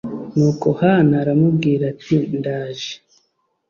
Nuko Hana aramubwira ati ndaje